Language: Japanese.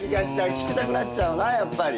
聞きたくなっちゃうなやっぱり。